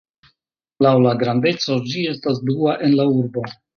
Laŭ la grandeco, ĝi estas dua en la urbo.